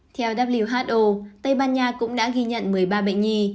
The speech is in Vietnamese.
theo w h o tây ban nha cũng đã ghi nhận một mươi ba bệnh nhi